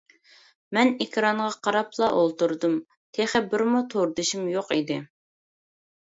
مەن ئېكرانغا قاراپلا ئولتۇردۇم، تېخى بىرمۇ توردىشىم يوق ئىدى.